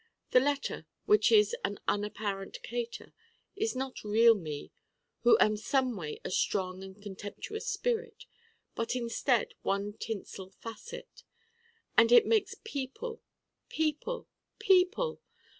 The letter, which is an unapparent cater, is not real Me who am someway a strong and contemptuous spirit but instead one tinsel facet. And it makes people people!